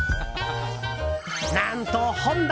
何と、本棚！